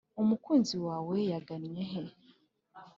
Umukunzi wawe yagannye he